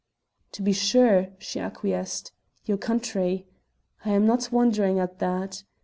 "To be sure!" she acquiesced, "your country! I am not wondering at that.